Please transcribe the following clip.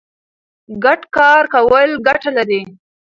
ګډ کار کول ګټه لري.